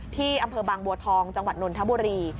ที่อำเภอบางบัวทองจังหวัดนนทบุรี